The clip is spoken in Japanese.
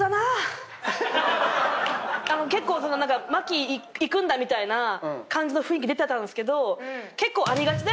何か麻貴いくんだみたいな感じの雰囲気出てたんですけど結構。